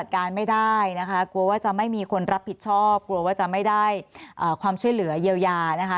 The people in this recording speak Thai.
การไม่ได้นะคะกลัวว่าจะไม่มีคนรับผิดชอบกลัวว่าจะไม่ได้ความช่วยเหลือเยียวยานะคะ